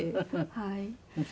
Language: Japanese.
はい。